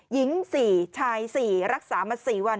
หญิง๔ชาย๔รักษามา๔วัน